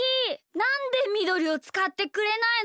なんでみどりをつかってくれないの？